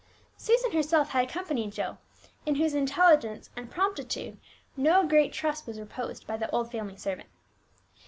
Susan herself had accompanied Joe, in whose intelligence and promptitude no great trust was reposed by the old family servant.